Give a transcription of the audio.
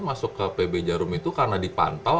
masuk ke pb jarum itu karena dipantau